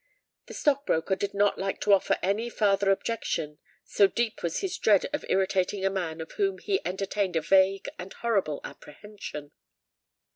The stock broker did not like to offer any farther objection, so deep was his dread of irritating a man of whom he entertained a vague and horrible apprehension.